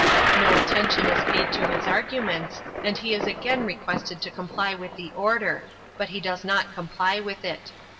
No attention is paid to his arguments, and he is again requested to comply with the order, but he does not comply with it.